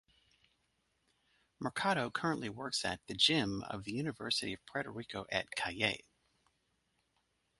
Mercado currently works at the gym of the University of Puerto Rico at Cayey.